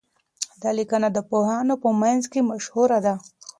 دا لیکنه د پوهانو په منځ کي مشهوره ده.